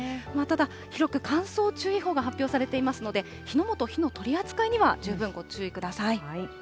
ただ、広く乾燥注意報が発表されていますので、火の元、火の取り扱いには十分ご注意ください。